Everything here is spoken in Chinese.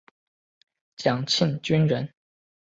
蒋庆均人。